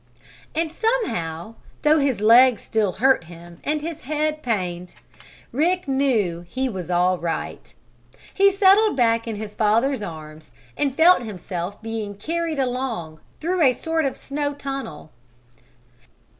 And somehow, though his leg still hurt him, and his head pained, Rick knew it was all right. He settled back in his father's arms, and felt himself being carried along, through a sort of snow tunnel.